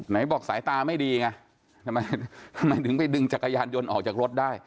ไหนบอกสายตาไม่ดีไงทำไมทำไมถึงไปดึงจักรยานยนต์ออกจากรถได้